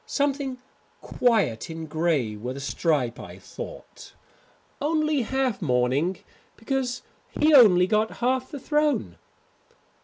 Something quiet in grey, with a stripe I thought. Only half mourning because he only got half the throne.